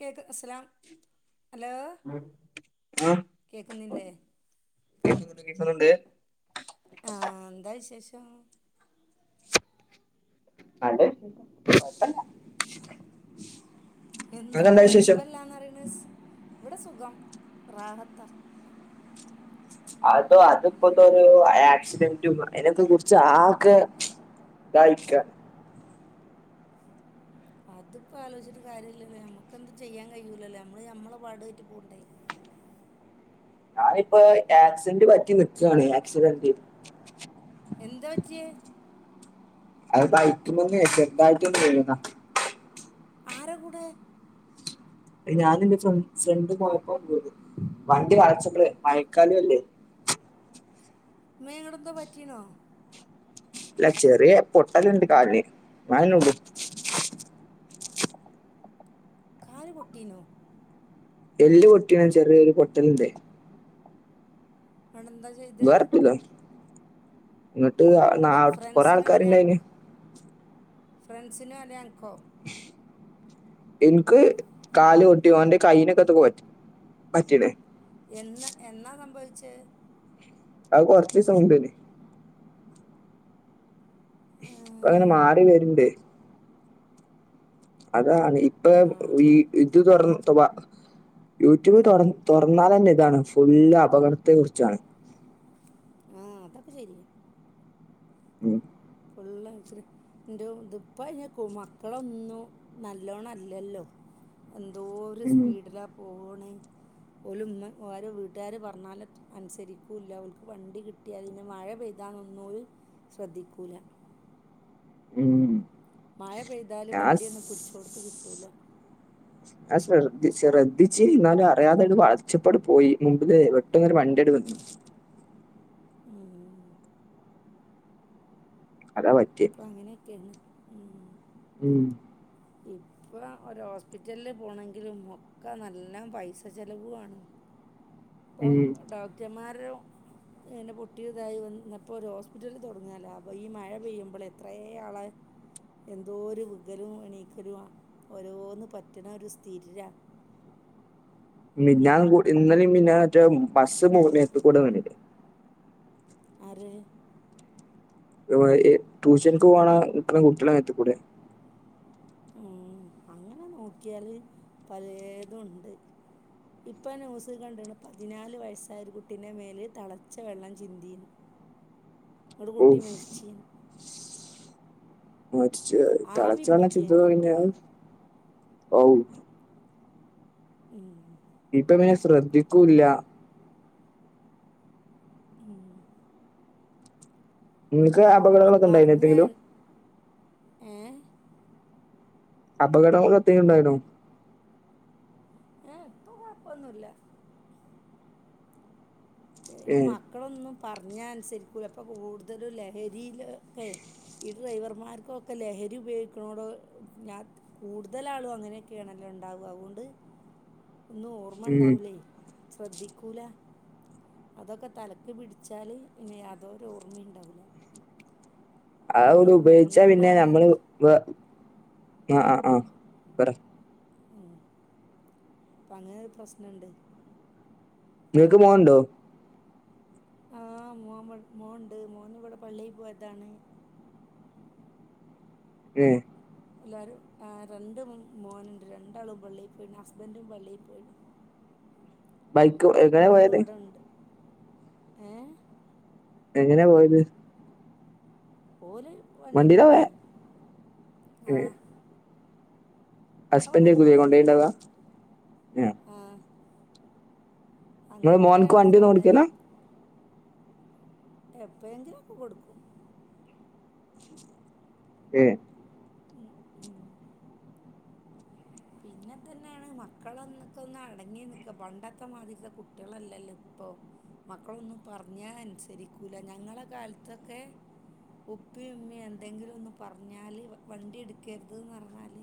Cake അസ്സലാം hello കേക്കുന്നില്ലേ കേക്കുന്നുണ്ട് കേക്കുന്നുണ്ട് ആഹ് എന്താവിശേഷം നല്ല വിശേഷം കൊയപ്പല്യ എന്താ അതെന്താ വിശേഷം കൊഴപ്പല്ലാന്നറിണെ ഇവിടെസുഖം റാഹത്താ. അതോ ഉം അത്പ്പത്തോരോ ആക്സിഡന്റും അയാനൊക്കെ കുറിച്ച് ആകെ തായിക്ക അതിപ്പോ ആലോയ്ചിട്ട് കാര്യല്ലല്ലോ നമ്മക്കെന്തും ചെയ്യാൻ കയ്യൂലല്ലോ നമ്മള് നമ്മളെ പാടോയ്ട്ട് പോണ്ടേ ഞാനിപ്പ ആക്സിഡന്റ് പറ്റി നിക്കാണ് ആക്സിഡന്റ് എന്താപറ്റ്യേ അത് ബൈക്ക്മെന്ന് ചെർതായിട്ട് ഒന്ന് വീണ ആര കൂടെ ഞാനും എന്റെ ഫ്രണ്ട്സ് ഫ്രണ്ട് പോയപ്പ വീണ് വണ്ടി വളച്ചപ്പളെ മഴക്കാലുഅല്ലേ മ്മേ ങ്ങട്ന്തോ പറ്റീണോ ല്ല ചെറിയ പൊട്ടല്ണ്ട് കാലിന് അയന്നെള്ളു കാല് പൊട്ടീനോ എല്ല് പൊട്ടീണ് ചെറിയൊരുപൊട്ടല്ണ്ട് അണന്ത വേറത്തുല്ല ന്നട്ട് ആ ഫ്രണ്ട്സിനോ കൊറേആൾക്കാര്ണ്ടേനി ഫ്രൻസിനോ അതെ അൻക്കോ ഇൻക്ക് കാല് പൊട്ടി ഓന്റെ കയ്നൊക്കെത്തക്കെ പറ്റി പറ്റീണ് എന്ന എന്നാ സംഭവിച്ചേ അഹ് കൊർച്ചീസംമുമ്പേനി ആ പ്പ ഇങ്ങനെ മാറിവര്ണ്ട് അതാണ് ഇപ്പൊ ആ വീ ഇത് തൊർന്നൊട്ത്തവ യൂട്യൂബ് തൊർ തൊർന്നാലെന്നെ ഇതാണ് ഫുള്ള് അപകടത്തെകുറിച്ചാണ്. ആഹ് അതൊക്കെ ശരിയാ ഉം, ഫുള്ള് ആക്സിഡ് ന്റും ഇത്പ്പഅയ്ന് മക്കളൊന്നും നല്ലോണല്ലല്ലോ എന്തോര് ഉം, സ്പീഡിലാ പോണേ പോലുംമ്മ ഓരവീട്ടാര് പർഞ്ഞാലറ്റെ അനുസരിക്കൂല്ല അവൽക്ക് വണ്ടികിട്ട്യാപിന്നെ മഴ പെയ്താനൊന്നും ഓല് ശ്രദ്ധിക്കൂല. ഉം മഴപെയ്താല് ഞാൻ വണ്ടിയൊന്നും പിടിച്ചോട്ത് കിട്ടൂല ആ ശ്രദ്ധിച്ച ശ്രദ്ധിച്ചീനിന്നാലും അറിയാതെ വളച്ചപ്പട് പോയി മുമ്പ് കേറി പെട്ടന്നൊര് വണ്ടിഅണ്ട് വന്ന് ഉം അതാ പറ്റെയ് അപ്പം അങ്ങനെയൊക്കെയാണ് ഉം ഉം ഇപ്പൊ ഒരു ഹോസ്പിറ്റല്ല് പോണെങ്കിലും ഒക്കെ നല്ല പൈസചെലവുവാണ് പ്പം ഉം. ഡോക്ടർമാര് എറെ പൊട്ടിയതായി വന്നപ്പോ ഒരു ഹോസ്പിറ്റല് തുടങ്ങാലോ അപ്പോൾ ഈ മഴ പെയ്യുമ്പോൾ എത്ര ആളെ എന്തോ ഒരു വികലും എണീക്കലും ആ ഓരോന്ന് പറ്റണ ഒരു സ്ഥിര മിഞ്ഞാ ഇന്നലും മിഞന് മറ്റേ ബസ്സ് മോത്ത് കൂടെ വിണ് ആരെ ട്യൂഷനിക്ക് പോകണ നിക്ണ കുട്ടിയളെ മോത്ത്ക്കൂടൊ ഉ അങ്ങനെ നോക്കിയാല് പലതുംണ്ട്. ഇപ്പം ന്യൂസ്ൽ കണ്ടിണ് പതിനാല് വയസ്സായ ഒരു കുട്ടീ എന്റെ കുട്ടി മേൽ തി ളച്ച വെള്ളം ചിന്തി. [inaudible] ഒരു കുട്ടി മരിച്ചി. മരിച്ച ആവി തിളച്ച വണ ചിന്ത പിടിക്കേനോലോ കഴിഞ്ഞ ഔ ഉം ഇപ്പ മോ ശ്രദ്ധിക്കൂല്ല ഉം നിങ്ങക്ക് മക്കള് അപകടങ്ങളൊക്കെ ഉണ്ടായിനോ പറഞ്ഞൻ എന്തെങ്കിലും ഏഹ് അപകടം ക്ക എത്തി ഉണ്ടായിന്നോ ഏഹ് ഇപ്പൊ കുഴപ്പൊന്നുല്ല ഏ ഇനി മക്കളൊന്നും പറഞ്ഞ അനുസരിക്കൂല അപ്പൊ കൂടുതല ലഹരിൽക്കെ ഈ ഡ്രൈവർമാർക്കൊക്കെ ലഹരി ഉപയോഗിക്കണോടോ ഞാൻ കൂടുതല ആളും അങ്ങനെയൊക്കെയാണല്ലോ ഉണ്ടാവു അവ്ണ്ട്. ഒന്നും ഓർമ്മ ഉം ഉണ്ടാവൂലേ ശ്രദ്ധിക്കൂല അതൊക്കെ തലക്ക് പിടിച്ചാൽ ഇനി യാതൊരു ഓർമ്മിഉണ്ടാവില്ല അത് ഉപയോഗിച്ചാ പിന്നെ വണ്ടിയിലാണ് നമ്മള് എന്നല്ല ആ ആഹ് ആഹ് പറ ഉം അപ്പ അങ്ങനെ പ്രസ്നുണ്ട് നിങ്ങൾക്ക് മോൻ ണ്ടോ ആ മോൻ മോൻണ്ട് മോന് ഇവിടെ പള്ളിയിൽ പോയതാണ്. ഏഹ് എല്ലാരും ആഹ് രണ്ട് മോന്ണ്ട് രണ്ടാളും പള്ളി പോയിണ് ഹസ്ബന്റും പള്ളി പോയിണ്. ബൈക്ക് എങ്ങനെ പോയത് ഏഹ് എങ്ങനെ പോയത് ഓല് വണ്ടിമ്മേ വണ്ടിയിലാ പോയെ പോയാ ആഹ് ഹസ്ബന്റ് അടുത്ത് ഏക്കുലേ കൊണ്ടോയിണ്ടാവ ഏഹ് ആഹ് നിങ്ങളെ മോൻക്ക് അങ്ങനെയൊക്കെയാണ് വണ്ടി ഒന്നും സംഗതി ഓടിക്കലാ എപ്പോഴെങ്കിലൊക്കെ കൊടുക്കും ഉ ഏഹ് ഉം ഉം പിന്നെ ഇതെന്നെയാണ് മക്കളൊന്നൊക്കെ ഒന്ന് അടങ്ങി നിക്ക പണ്ടത്തെ മാതിരിതെ കുട്ട്യളല്ലല്ലോ ഇപ്പം മക്കളൊന്നും പറഞ്ഞാ അൻസരിക്കൂല്ല ഞങ്ങളെ കാൽത്തൊക്കെ ഉപ്പിം ഉമ്മിം എന്തെങ്കിലും ഒന്ന് പറഞ്ഞാല് വണ്ടി ഇട്ക്കര്ത ന്ന് പറഞ്ഞാല്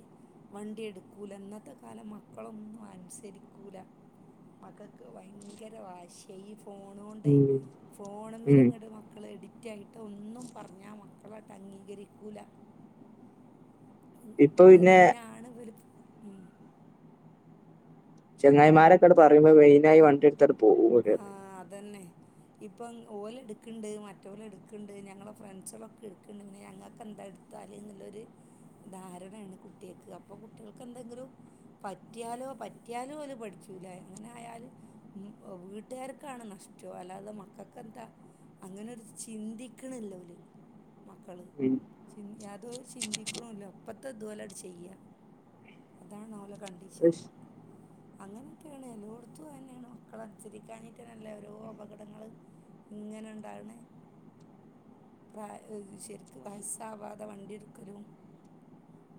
വണ്ടി ഇട്ക്കൂല ഇന്നത്തെ കാലം മക്കളൊന്നും അനുസരിക്കൂല മക്കക്ക് വയങ്കര വാശി ഈ ഫോണോണ്ടേ ഉം ഫോണ് മ്മല് ഉം ഇങ്ങട്ട് മക്കള് എഡി റ്റായിട്ട് ഒന്നും പറഞ്ഞാ മക്കളട്ട് അംഗീകരിക്കൂല്ല. ഉം ഇപ്പൊ പിന്നെ ഇതെന്തിനാണ് വൽ ഉം ചെങ്ങായിമാരൊക്കെ ങ്ങട് പറയുമ്പോ മൈയിനായി വണ്ടിട് ത്തട് പോവും ആഹ് അതെന്നെ ഇപ്പം ഓല് ഇട്ക്ക്ണ്ട് മറ്റോല് ഇട്ക്ക്ണ്ട് ഞങ്ങളെ ഫ്രണ്ട്സളൊക്കെ ഇട്ക്ക്ണ്ട് പിന്നെ ഞങ്ങൾക്ക് എന്താ ഇട് ത്താല് ന്ന്ള്ളൊരു ധാരണയാണ് കുട്ട്യേക്ക് അപ്പൊ കുട്ട്യൾക്ക് എന്തെങ്കിലും പറ്റിയാലോ പറ്റിയാലും ഓല് പഠിച്ചൂല്ല അങ്ങനെ ആയാൽ വീട്ട്കാർക്കാണ് നഷ്ടം അല്ലാതെ മക്കക്ക് എന്താ അങ്ങനൊരു ചിന്തിക്ക്ണ്ല്ല ഓല് മക്കള് ഉം ചിൻ യാതൊരു ചിന്തിക്ക്ണൂല്ല അപ്പത്തെ ഇതുപോലെ അട് ചെയ്യ അതാണ് ഓലെ കണ്ടീഷന് ഇഷ് അങ്ങനെയൊക്കെയാണ് എല്ലോട്ത്തും അതെന്നെയാണ് മ ക്കള് അനുസരിക്കാഞ്ഞിട്ടന്നല്ലെ ഓരോ അപകടങ്ങള് ഇങ്ങനെ ഇണ്ടാവ്ണെ പ്രാ ശരിക്ക് വയസ്സാവാതെ വണ്ടി ഇട്ക്കലും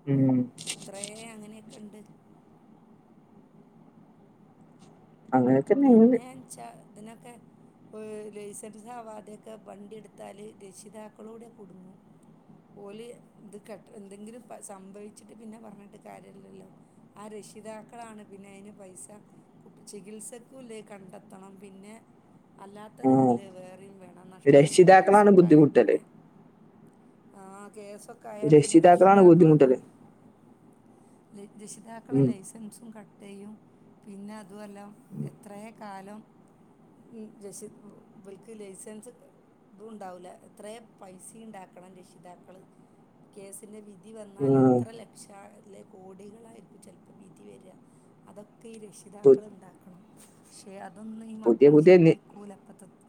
പ്പോ ഉം എത്രേ അങ്ങനെയൊക്കെ ഇണ്ട് അതെ പിന്നെച്ചാ ഇതിനൊക്കെ പ്പം ലൈസൻസ് ആവാതെ ഒക്കെ വണ്ടി ഇട്ത്താല് രക്ഷിതാക്കളൂടെ കുടുങ്ങും ഓല് ഇത് കെട്ട എന്തെങ്കിലും സംഭവിച്ചിട്ട് പിന്നെ പറഞ്ഞിട്ട് കാര്യല്ലല്ലോ ആ രക്ഷിതാക്കളാണ് പിന്നെ അയിന് പൈസ കുട്ടി ചികിത്സ ക്കുല്ലേ കണ്ടെത്തണം പിന്നെ ആഹ് അല്ലാത്തതിന്ല്ലേ വേറിം വേ ണം നഷ്ട പരി രക്ഷിതാക്കളാണ് കേസൊക്കെ ആയ ബുദ്ധിമുട്ടല് പിന്നെ ആഹ് കേസൊ ക്കായ പിന്നെ രക്ഷിതാക്കളാണ് രക്ഷിതാക്കെളെ തും ബുദ്ധിമുട്ടല് രക്ഷിതാക്കളെ ഉം ലൈസൻസും കട്ടെയ്യും പിന്നെ അതും അല്ല എ ത്രേ കാലം രക്ഷി ഇവൽക്ക് ലൈസൻസ് തുണ്ടാവൂല്ല എത്രേ പൈസിണ്ടാക്കണം രക്ഷിതാക്കള് കേസിൻ്റെ വിധി വന്നാൽ ആഹ് എത്ര ലക്ഷാ അല്ലേ കോടികളായിരിക്കും ചെലപ്പോ വിധി വരാ അതൊക്കെ ഈ പു രക്ഷിതാക്കള് ഇണ്ടാക്കണം ക്ഷെ അതൊന്നും ഈ പുതിയ മക്കള് പുതിയ നി ചിന്തിക്കൂല ഇപ്പത്തെത്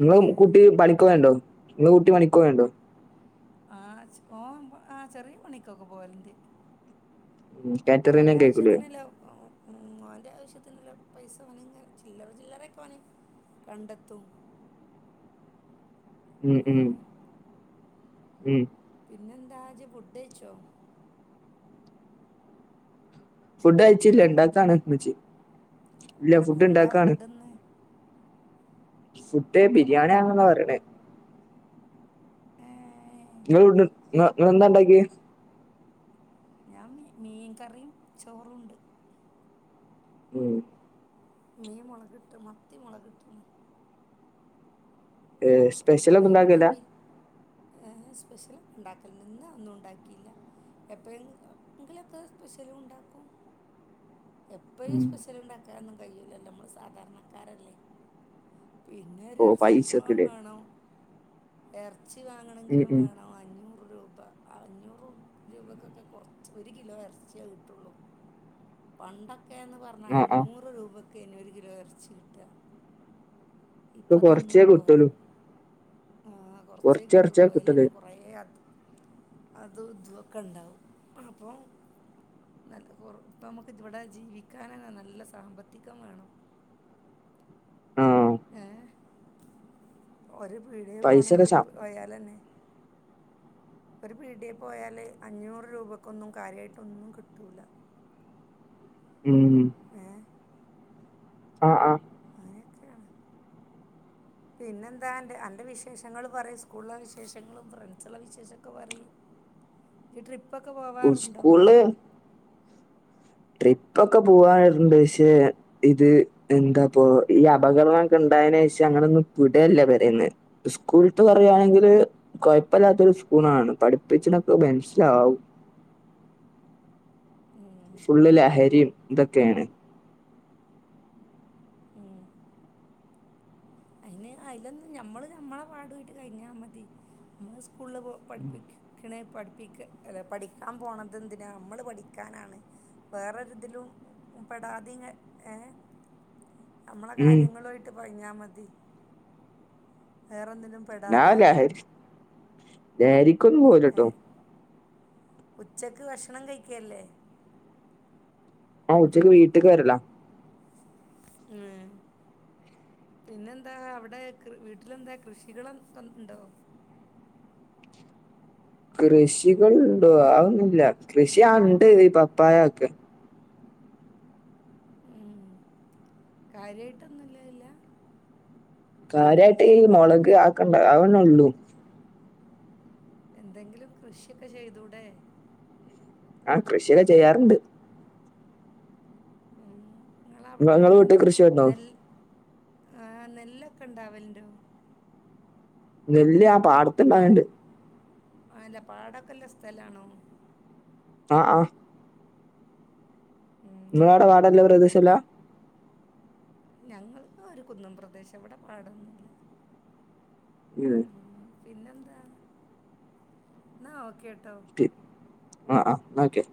നിങ്ങളെ കുട്ടി പണിക്കോവേണ്ടോ ഇങ്ങളെ കുട്ടി പണിക്കോവേണ്ടോ ആഹ് ചെ ഓൻ ആഹ് ചെറിയ പണിക്കൊക്കെ പോവല്ണ്ട് ഉം ഓന്റെ കാറ്ററിങ്ങിനൊക്കേക്കൂലേ ആവശ്യത്തിന്ല്ലെ ഓ ഉം മോന്റെ ആവശ്യത്തിന്ള്ള പൈസ ഓന് ങ്ങനെ ചില്ലറ ചില്ലറൊക്കെ ഓന് കണ്ടെത്തും ഉം ഉം ഉം പിന്നെന്താ ജ് ഫുഡൈയിച്ചോ ഫുഡ് കയ് ച്ചില്ല ഉം ഇണ്ടാക്കാണ് മ്മച്ചി ഇല്ല ഫുഡ് എന്താ ഇണ്ടാക്കാണ് ഫുഡിന്ന് ഫുഡ് ബിരിയാണിാണന്ന പറയണേ ഏ ഹ് നിങ്ങൾ ഫുഡ് ങ്ങ നിങ്ങെളെ ന്താ ണ്ടാക്കിയ ഞാൻമീ മീൻ കറിയും ചോറും ഉണ്ട് ഉം മീൻ മുളക്ട്ട് മത്തി മുളക്ട്ണ് ഏഹ് സ്പെഷ്യലൊന്നും എപ്പഴും ങ്ങ ഇണ്ടാക്കലില്ല വി ഏഹ് സ്പെഷ്യൽ ഉണ്ടാക്കലണ്ട് ഇന്ന് ഒന്നും ഉണ്ടാക്കിയില്ല എപ്പോഴങ്കിലുക്കെ സ്പെഷ്യലു ണ്ടാക്കും എപ്പഴും ഉം സ്പെഷ്യൽ ഉണ്ടാക്കാനൊന്നും കഴൂലല്ലോ നമ്മള് സാധാരണക്കാരല്ലേ ഓഹ് പിന്നെരുറച്ചികൊവും പൈസക്ക് ലേ വേണം ഇറച്ചി ഉം വാങ്ങണമെങ്കിലും ഉം വേണം അഞ്ഞൂറ് രൂപ അഞ്ഞൂറ് രൂപയ്ക്കൊക്കെ കുറച്ച് ഒരു കിലോ ഇറച്ചിയേ കിട്ടുള്ളൂ പണ്ടൊക്ക എന്ന് ആ പറഞ്ഞാല് ആ നൂറ് രൂപക്കയ് നി ഒരു കിലോ ഇറച്ചി കിട്ട ഇപ്പൊ കൊറച്ചേ ഇപ്പതൊന്നും പോരാ കിട്ടലൂ ആ കൊറച്ചേ കൊറച്ചടച്ചാ കിട്ടുള്ളൂ കിട്ടല് അലന്നെ കൊറ അത് അത് ഇതൊ ക്കെ ഉണ്ടാവും അപ്പം നല്ല കൊറ ഇപ്പൊ നമ്മക്ക് ഇവിടെ ജീവിക്കാനന്നെ നല്ല സാമ്പത്തികം വേണം ആ ഏ ഒരു പീടി പൈസൊക്കെ പോണങ്കി ശ പോയാലന്നെ ഒരു പീഡി പോയാല് അഞ്ഞൂറ് രൂപക്കൊന്നും കാര്യായിട്ടൊന്നും കിട്ടുല ഉം ഏഹ് അ ആ അങ്ങനൊക്കെയാണ് [unintelligible] പിന്നെന്താ ന്റെ അന്റെ വിശേഷങ്ങൾ പറയ് സ്‌കൂൾലെ വിശേഷങ്ങളും ഫ്രെണ്ട്സ് ളെ വിശേശൊക്കെ പറയ് [unintelligible] ഇജ് ട്രിപ്പൊക്കെ പോവാറുണ്ടോ സ്കൂളില് ട്രിപ്പൊക്കെ പോവാറുണ്ട് ക്ഷെ ഇത് എന്തപ്പോ ഈ അപകടങ്ങളൊക്കെ ഉണ്ടായതിനു ശേഷം അങ്ങനെയൊന്നും വിടല്ല പെ രയിന്ന് സ്കൂൾ ത്തെ പറയുകയാണെങ്കിൽ കുഴപ്പം ഇല്ലാത്തഒരു സ്കൂൾ ആണ് പഠിപ്പിച്ചണൊ ക്കെ മനസ്സിലാവും ഉം, ഫുൾ ലഹരിയും ഇതൊക്കെയാണ് ഉം ഐൻ ഐലൊന്നും ഞമ്മള് ഞമ്മളെ പാടു ആയിട്ട് കയിഞ്ഞാ മതി ഞമ്മളെ സ്കൂളിലെ പഠിപ്പിക്ക ക്ണത് പടപിക്പ്ടികാൻപോണത് എന്തിനാണ് ഞമ്മൾ പഠിക്കാനാണ് വേറെ ഒരുതി ലും പെടാതെ ഏ നമ്മളെ ഉം കാര്യങ്ങളുമായിട്ട് പറഞ്ഞാ മതി വേറെ ഒന്നിലും ഞാൻ ലഹരി ലഹരിക്കൊന്നും ഏ പോവില്ലാട്ടൊ ഉച്ചക്ക് ഭക്ഷണം കഴിക്കല്ലേ ആ ഉച്ചക്ക് വീട്ക്ക് വരല ഏഹ് പിന്നെന്താ അവിടെ കൃ വീട്ടിലെന്താ കൃഷികളൊക്കെ ഉണ്ടോ കൃഷികൾ എന്തുവാ അത് ഒന്നുല്ല കൃഷി ആ ഉണ്ട് ഈ പപ്പായ ഒക്കെ ഉം കാര്യയിട്ട് ഒന്നുള്ളഹ്‌ല്ലാ കാര്യായിട്ട് ഈ മോളക് അക്കെ അഹ്ന്നെ ഒള്ളു എന്തെങ്കിലും കൃഷിക്കെ ചെയ്തൂടെ? ആഹ് കൃഷിക്കെ ചെയ്യാറ്ണ്ട് ഉം ഇങ്ങളെ അവിടെ നിങ്ങ- നിങ്ങളെ എങ്ങനെ വീട്ടിൽ കൃഷി ഉണ്ടോ നെല്ല് ആഹ് നെല്ലേക്കെ ഇണ്ടാവൽണ്ടോ? നെല്ല് ആഹ് പാ പ അഹന്നെ പാടോക്കെ ഇല്ല സ്ഥലണോ? ആഹ് ആഹ് ഉം. ഇങ്ങളെ ഔടെ പാടല്ല പ്രേദേശം ഇല്ല? ഞങ്ങൾടെ ഒരു കുന്നം പ്രദേശം ഇവിടെ പാടൊന്നുല്ല [unintelligible] ഉം പിന്നെന്താ എന്നാ ഓക്കെട്ടോ ആഹ് ആഹ് ന്നാ ഓക്കേ